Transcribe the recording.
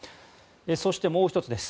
そして、もう１つです。